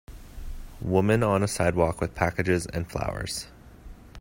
Women on a sidewalk with packages and flowers.